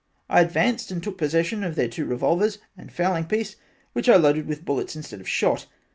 I advanced and took possession of their two revolvers and fowling piece which I loaded with bullets instead of shot.